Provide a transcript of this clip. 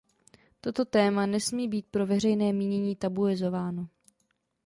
Toto téma nesmí být pro veřejné mínění tabuizováno.